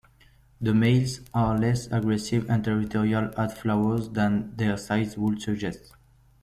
The males are less aggressive and territorial at flowers than their size would suggest.